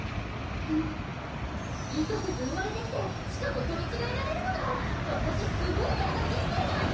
意図せず生まれてきてしかも取り違えられるとか私すごいレアな人生じゃん！